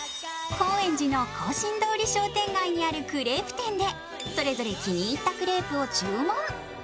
高円寺の庚申通り商店街にあるクレープ店でそれぞれ気に入ったクレープを注文。